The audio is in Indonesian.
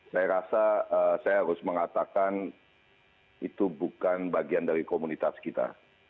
saya rasa saya harus mengatakan itu bukan bagian dari komunitas kita